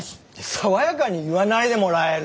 爽やかに言わないでもらえる？